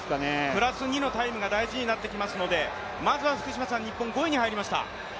プラス２のタイムが大事になってきますのでまずは福島さん、日本は５位に入りました。